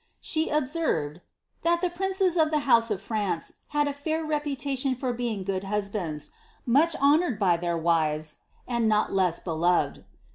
She observed, " that the princes of the house of France had a fair reputation for being good husbands, much honoured by their wives, and not less beloved."